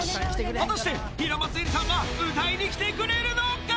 果たして平松愛理さんは歌いに来てくれるのか。